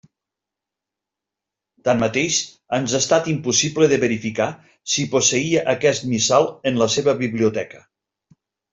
Tanmateix, ens ha estat impossible de verificar si posseïa aquest missal en la seva biblioteca.